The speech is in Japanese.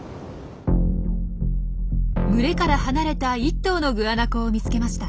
群れから離れた１頭のグアナコを見つけました。